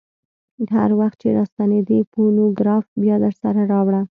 هر وخت چې راستنېدې فونوګراف بیا درسره راوړه.